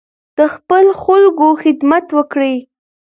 د خپلو خلکو خدمت وکړئ.